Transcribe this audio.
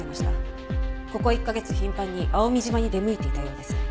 ここ１カ月頻繁に蒼海島に出向いていたようです。